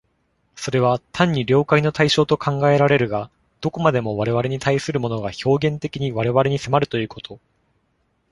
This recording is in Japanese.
それは単に了解の対象と考えられるが、どこまでも我々に対するものが表現的に我々に迫るということ、